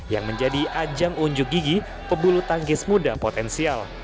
yang menjadi ajang unjuk gigi pebulu tangkis muda potensial